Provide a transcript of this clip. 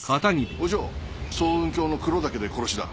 お嬢層雲峡の黒岳で殺しだ。